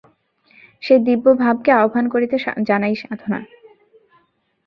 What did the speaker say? সেই দিব্যভাবকে আহ্বান করিতে জানাই সাধনা।